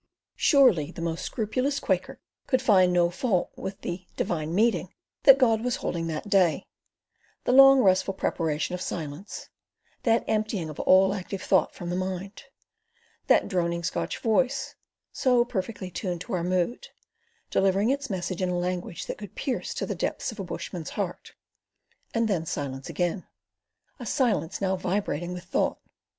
Surely the most scrupulous Quaker could find no fault with the "Divine Meeting" that God was holding that day: the long, restful preparation of silence; that emptying of all active thought from the mind; that droning Scotch voice, so perfectly tuned to our mood, delivering its message in a language that could pierce to the depths of a bushman's heart; and then silence again—a silence now vibrating with thought.